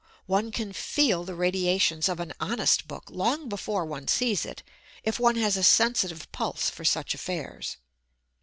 One can feel the radiations of an honest book long before one sees it, if one has a sensitive pulse for such affairs.